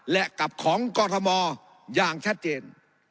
และกับของกรทมอย่างชัดเจน